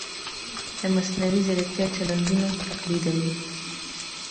د مصنوعي ځیرکتیا چلندونه تقلیدوي.